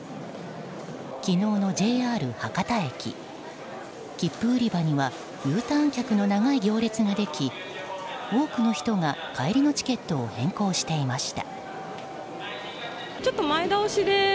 昨日のＪＲ博多駅切符売り場にはＵターン客の長い行列ができ多くの人が帰りのチケットを変更していました。